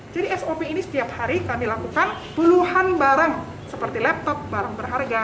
jadi sop ini setiap hari kami lakukan puluhan barang seperti laptop barang berharga